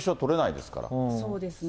そうですね。